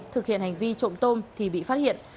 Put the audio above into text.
thực hiện hành vi trộm tôm thì bị phát hiện